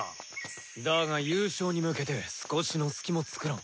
だが優勝に向けて少しのスキも作らん。